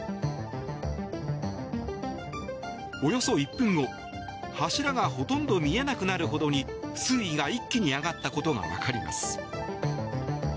およそ１分後柱がほとんど見えなくなるほどに水位が一気に上がったことが分かります。